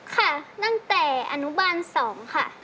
ค่ะตั้งแต่อนุบาล๒ค่ะ